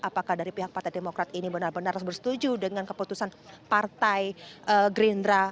apakah dari pihak partai demokrat ini benar benar harus bersetuju dengan keputusan partai gerindra